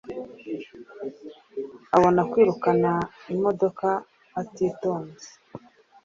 Abona kwirukana imodoka atitonze.